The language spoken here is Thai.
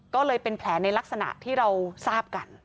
ก็เลยเป็นแผลในลักษณะที่เราทราบกัน